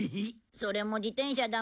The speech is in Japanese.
それも自転車だもんね。